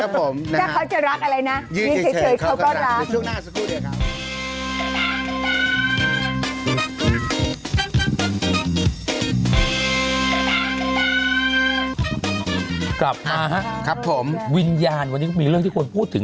กลับมาครับผมวิญญาณวันนี้ก็มีเรื่องที่ควรพูดถึง